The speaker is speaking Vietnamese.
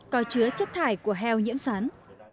có chứa chất thải của heo nhiễm sán